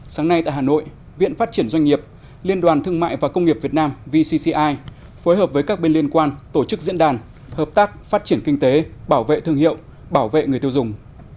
sáng nay tại hà nội viện phát triển doanh nghiệp liên đoàn thương mại và công nghiệp việt nam vcci phối hợp với các bên liên quan tổ chức diễn đàn hợp tác phát triển kinh tế bảo vệ thương hiệu bảo vệ người tiêu dùng